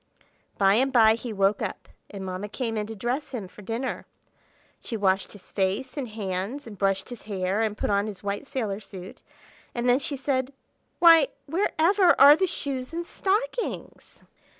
By and by he woke up, and Mamma came in to dress him for dinner. She washed his face and hands, and brushed his hair, and put on his white sailor suit; and then she said, "Why, where ever are the shoes and stockings?"